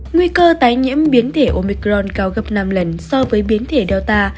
nguy cơ tái nhiễm biến thể omicron cao gấp năm lần so với biến thể data